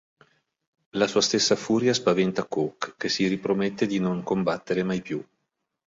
La sua stessa furia spaventa Coke, che si ripromette di non combattere mai più.